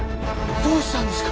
どうしたんですか！